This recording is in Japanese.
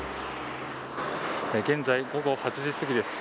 現在午後８時すぎです。